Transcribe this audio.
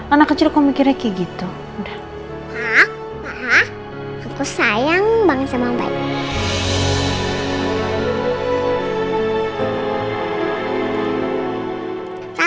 anak kecil kok mikirin kayak gitu